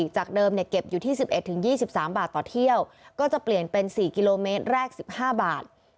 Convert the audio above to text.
จากเดิมเก็บอยู่ที่๑๑๒๓บาทต่อเที่ยวก็จะเปลี่ยนเป็น๔กิโลเมตรแรก๑๕บาท